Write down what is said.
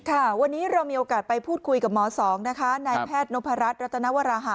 ค่ะวันนี้เรามีโอกาสไปพูดคุยกับหมอสองนะคะนายแพทย์นพรัชรัตนวราหะ